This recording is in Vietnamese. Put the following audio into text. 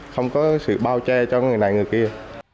không có sự bao che cho người này người kia